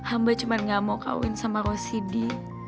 hamba cuma gak mau kawin sama rosidi